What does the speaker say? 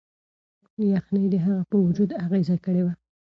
یخنۍ د هغه په وجود اغیز کړی و.